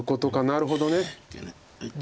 なるほど。